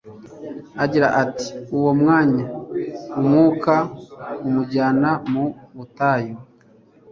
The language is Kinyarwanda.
agira ati : Uwo mwanya Umwuka amujyana mu butayu.